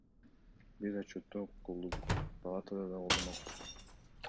Биз отчетту колдодук, палатада да колдомокпуз.